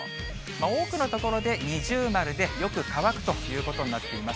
多くの所で二重丸で、よく乾くということになっています。